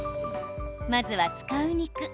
まずは、使う肉。